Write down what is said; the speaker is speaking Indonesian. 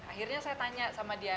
akhirnya saya tanya sama dia